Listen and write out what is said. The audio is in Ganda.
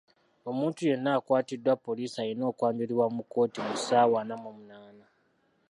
Omuntu yenna akwatiddwa poliisi alina okwanjulibwa mu kkooti mu ssaawa ana mu munaana.